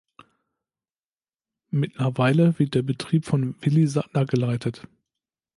Mittlerweile wird der Betrieb von Willi Sattler geleitet.